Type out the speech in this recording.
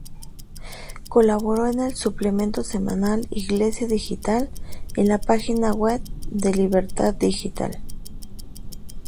Colaboró en el suplemento semanal "Iglesia Digital" en la página web de Libertad Digital.